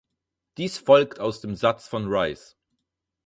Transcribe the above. Dies folgt aus dem Satz von Rice.